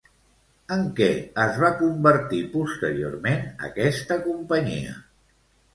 En què es va convertir posteriorment aquesta companyia?